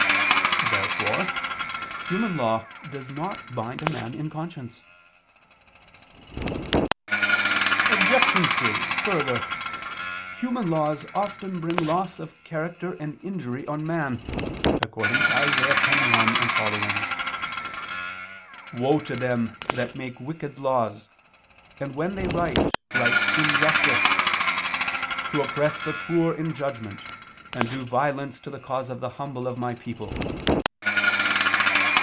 Therefore human law does not bind a man in conscience. Obj. 3: Further, human laws often bring loss of character and injury on man, according to Isa. 10:1 et seqq.: "Woe to them that make wicked laws, and when they write, write injustice; to oppress the poor in judgment, and do violence to the cause of the humble of My people."